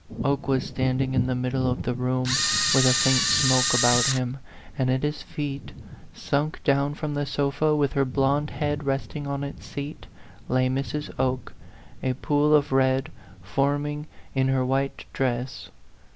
Oke was standing in the middle of the room, with a faint smoke about him ; and at his feet, sunk down from the sofa, with her blond head resting on its seat, lay Mrs. Oke, a pool of red forming in her white dress.